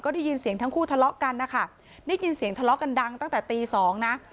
ได้ยินเสียงทั้งคู่ทะเลาะกันนะคะได้ยินเสียงทะเลาะกันดังตั้งแต่ตีสองนะ